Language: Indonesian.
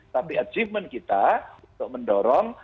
tapi achievement kita untuk mendorong